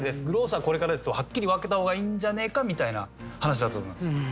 グロースはこれからですをはっきり分けた方がいいんじゃねえかみたいな話だったと思います。